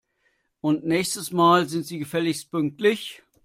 Und nächstes Mal sind Sie gefälligst pünktlich!